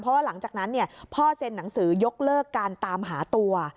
เพราะว่าหลังจากนั้นพ่อเซ็นหนังสือยกเลิกการตามหาตัว